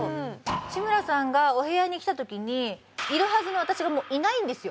志村さんがお部屋に来たときにいるはずの私がいないんですよ。